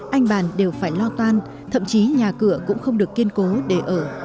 anh bàn đều phải lo toan thậm chí nhà cửa cũng không được kiên cố để ở